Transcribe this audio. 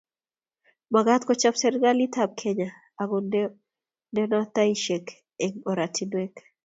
magaat kochop serikalitab Kenya ago ndeno taishek eng oratinwek